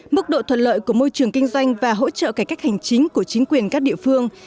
mức độ thuận lợi của môi trường kinh doanh và hỗ trợ cải cách hành chính của chính quyền các địa phương